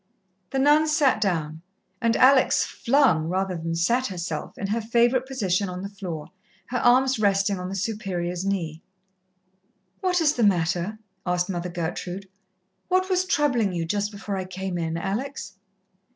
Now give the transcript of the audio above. The nun sat down, and Alex flung, rather than sat herself in her favourite position on the floor, her arms resting on the Superior's knee. "What is the matter?" asked Mother Gertrude. "What was troubling you just before I came in, Alex?"